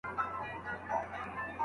کله چي خبر سوم.